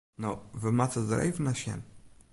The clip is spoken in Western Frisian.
No, we moatte der even nei sjen.